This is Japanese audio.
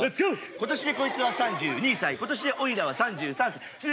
今年でこいつは３２歳今年でおいらは３３歳いくよ。